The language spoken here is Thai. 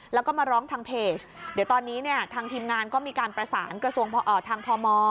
แล้วก็มาร้องทางเพจเดี๋ยวตอนนี้เนี่ยทางทีมงานก็มีการประสานกระทรวงทางพม